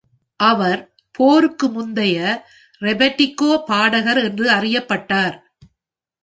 அவர் போருக்கு முந்தைய "ரெபெட்டிகோ" பாடகர் என்று அறியப்பட்டார்.